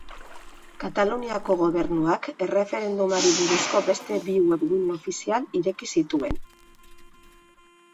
Kataluniako Gobernuak erreferendumari buruzko beste bi webgune ofizial ireki zituen.